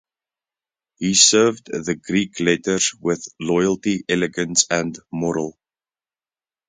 He served the Greek letters with loyalty, elegance and moral.